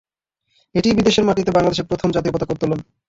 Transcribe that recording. এটিই বিদেশের মাটিতে বাংলাদেশের প্রথম জাতীয় পতাকা উত্তোলন।